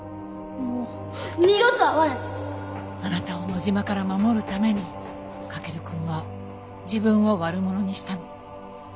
あなたを野島から守るために駆くんは自分を悪者にしたの。